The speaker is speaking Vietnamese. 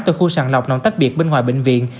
từ khu sàn lọc nòng tách biệt bên ngoài bệnh viện